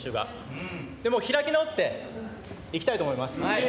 もうね、開き直っていきたいと思います。